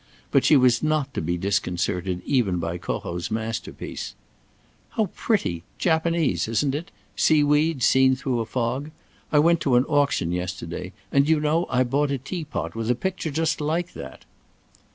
But she was not to be disconcerted even by Corot's masterpiece: "How pretty! Japanese, isn't it? Sea weeds seen through a fog. I went to an auction yesterday, and do you know I bought a tea pot with a picture just like that."